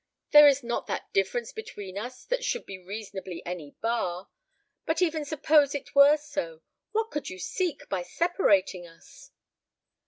There is not that difference between us that should be reasonably any bar; but even suppose it were so, what could you seek by separating us?"